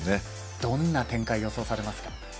どんな展開予想されますか。